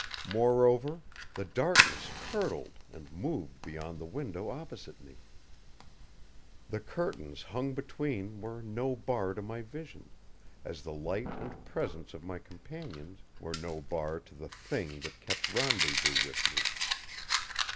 Moreover, the darkness curdled and moved beyond the window opposite me. The curtains hung between were no bar to my vision, as the light and presence of my companions were no bar to the Thing that kept rendezvous with me.